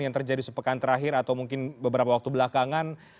yang terjadi sepekan terakhir atau mungkin beberapa waktu belakangan